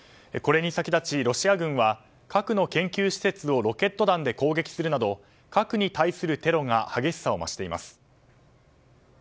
これに先立ち、ロシア軍は核の研究施設をロケット弾で攻撃するなど核に対するテロが激しさを増しています。